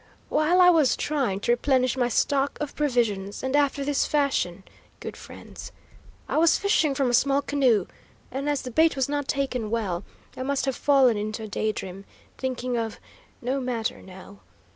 "While I was trying to replenish my stock of provisions, and after this fashion, good friends. "I was fishing from a small canoe, and as the bait was not taken well, I must have fallen into a day dream, thinking of no matter, now.